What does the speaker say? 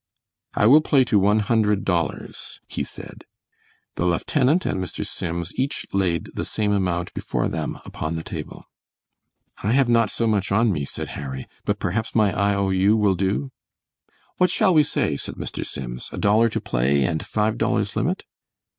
"I will play to one hundred dollars," he said. The lieutenant and Mr. Sims each laid the same amount before them upon the table. "I have not so much on me," said Harry, "but perhaps my I. O. U. will do." "What shall we say," said Mr. Sims, "a dollar to play and five dollars limit?"